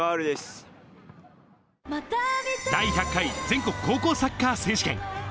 第１００回全国高校サッカー選手権。